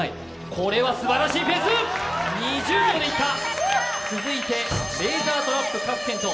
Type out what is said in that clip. これはすばらしいペース、２０秒でいった、続いてレーザートラップ、賀来賢人。